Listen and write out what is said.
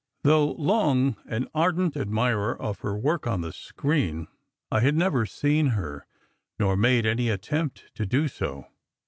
Though long an ardent admirer of her work on the screen I had never seen her, never made any attempt to do so.